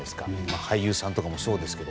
俳優さんとかもそうですけど。